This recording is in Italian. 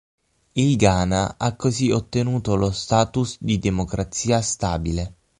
Il Ghana ha così ottenuto lo status di democrazia stabile.